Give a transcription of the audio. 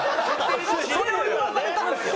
それを言わされたんですよ！